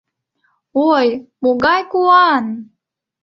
— Ой, могай куан!